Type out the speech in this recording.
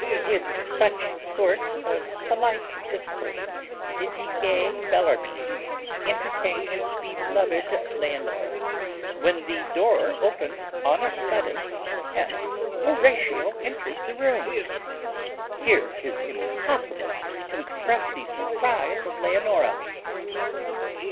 With such sort of polite discourse did the gay Bellarmine entertain his beloved Leonora, when the door opened on a sudden, and Horatio entered the room. Here 'tis impossible to express the surprize of Leonora.